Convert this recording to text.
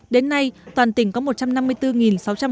đến nay toàn tỉnh có một trăm năm mươi bốn sáu trăm linh con lợn biến